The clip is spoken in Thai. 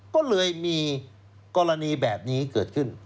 ก็เลยมีกรณีแบบนี้เกิดขึ้น